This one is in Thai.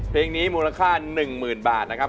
เพลงนี้มูลค่า๑๐๐๐บาทนะครับ